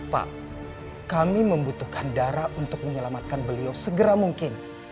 pak kami membutuhkan darah untuk menyelamatkan beliau segera mungkin